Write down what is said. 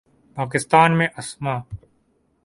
پاکستان میں اسما